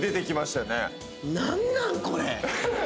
何なん⁉これ。